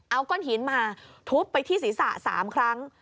เอาก้อนหินมาทุบไปที่ศีรษะ๓ครั้ง